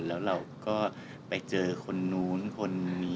แล้วเราก็ไปเจอคนนู้นคนนี้